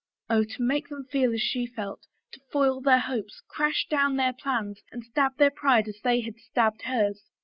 Oh, to make them feel as she felt, to foil their hopes, crash down their plans and stab their pride as they had stabbed hers!